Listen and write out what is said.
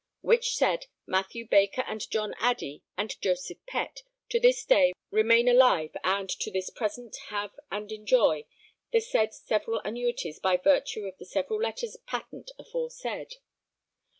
Which said Mathew Baker and John Addey and Joseph Pett to this day remain alive and to this present have and enjoy the said several annuities by virtue of the several letters patent aforesaid.